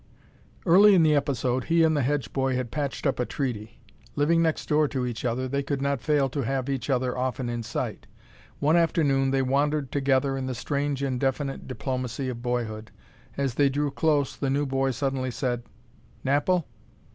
Early in the episode he and the Hedge boy had patched up a treaty. Living next door to each other, they could not fail to have each other often in sight. One afternoon they wandered together in the strange indefinite diplomacy of boyhood. As they drew close the new boy suddenly said, "Napple?"